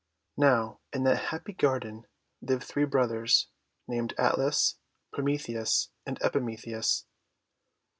Now in that happy garden lived three brothers, named Atlas, Prometheus, and Epimetheus.